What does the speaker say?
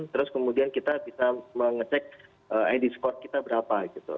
terus kemudian kita bisa mengecek id score kita berapa gitu